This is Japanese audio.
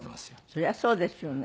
そりゃそうですよね。